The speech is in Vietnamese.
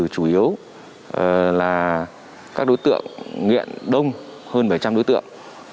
chủ yếu là các đối tượng nghiện đông hơn bảy trăm linh đối tượng